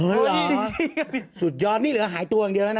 เหรอสุดยอดนี่เหลือหายตัวอย่างเดียวแล้วนะ